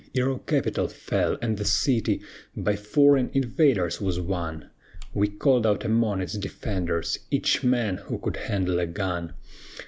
"Ere our capital fell, and the city By foreign invaders was won, We called out among its defenders Each man who could handle a gun.